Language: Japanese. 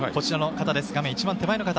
画面一番手前の方。